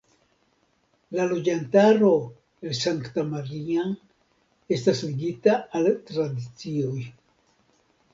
La loĝantaro el Sankta Maria estas ligita al tradicioj.